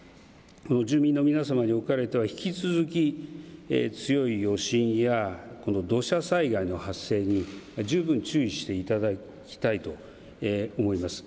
住民の皆さまにおかれては引き続き強い余震や土砂災害の発生に十分注意していただきたいと思います。